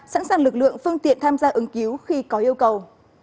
sẵn sàng lực lượng phương tiện tham gia ứng cứu khi có yêu cầu